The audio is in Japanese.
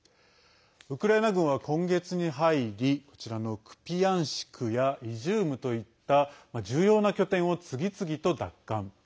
ウクライナ軍は今月に入りこちらのクピヤンシクやイジュームといった重要な拠点を次々と奪還。